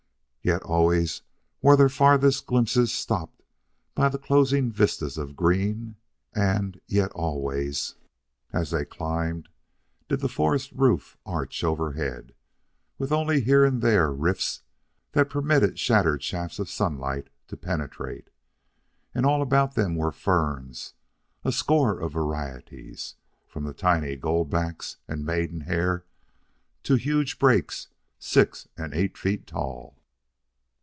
Yet always were their farthest glimpses stopped by the closing vistas of green, and, yet always, as they climbed, did the forest roof arch overhead, with only here and there rifts that permitted shattered shafts of sunlight to penetrate. And all about them were ferns, a score of varieties, from the tiny gold backs and maidenhair to huge brakes six and eight feet tall.